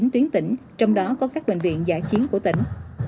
tuyến tỉnh trong đó có các bệnh viện giải chiến của tỉnh